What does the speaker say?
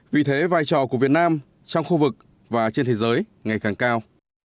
vì thế vai trò của việt nam trong khu vực và trên thế giới ngày càng cao